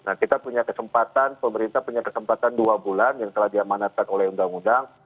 nah kita punya kesempatan pemerintah punya kesempatan dua bulan yang telah diamanatkan oleh undang undang